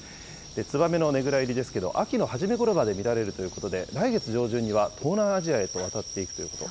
ツバメのねぐら入りですけれども、秋の初めごろまで見られるということで、来月上旬には東南アジアへと渡っていくということ。